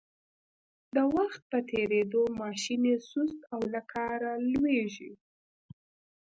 د وخت په تېرېدو ماشین یې سست او له کاره لویږي.